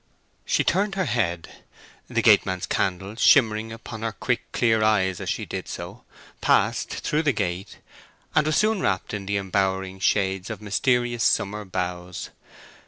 She turned her head—the gateman's candle shimmering upon her quick, clear eyes as she did so—passed through the gate, and was soon wrapped in the embowering shades of mysterious summer boughs.